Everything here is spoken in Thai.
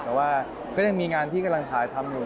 แต่ว่าก็ยังมีงานที่กำลังถ่ายทำอยู่